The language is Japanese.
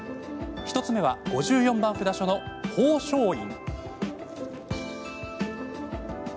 １つ目は、５４番札所の宝生院。